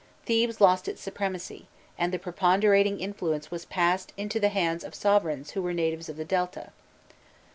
Thebes lost its supremacy, and the preponderating influence passed into the hands of sovereigns who were natives of the Delta.